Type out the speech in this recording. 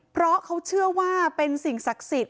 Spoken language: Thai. เพราะเขาเชื่อว่าเป็นสิ่งศักดิ์สิทธิ